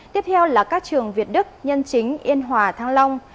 tiếp theo là các trường việt đức nhân chính yên hòa thăng long